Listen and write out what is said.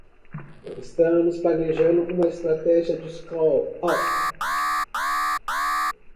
Estamos planejando uma estratégia de scale-up.